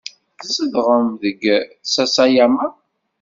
Tzedɣem deg Sasayama?